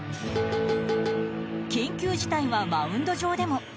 キン球事態はマウンド上でも。